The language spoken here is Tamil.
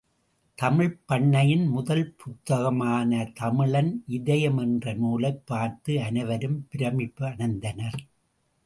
தமிழ்ப்பண்ணையின் முதல் புத்தகமான தமிழன் இதயம் என்ற நூலைப் பார்த்து அனைவரும் பிரமிப்படைந்தனர்.